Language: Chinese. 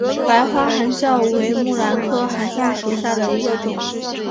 白花含笑为木兰科含笑属下的一个种。